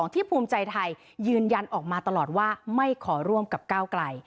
ภูมิใจไทยยืนยันออกมาตลอดว่าไม่ขอร่วมกับก้าวไกล